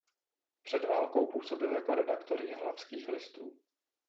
Před válkou působil jako redaktor "Jihlavských listů".